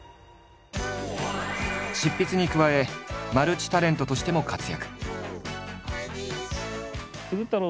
執筆に加えマルチタレントとしても活躍。